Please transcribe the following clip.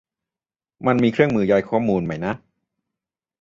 มันมีเครื่องมือย้ายข้อมูลไหมนะ